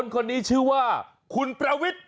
คนนี้ชื่อว่าคุณประวิทย์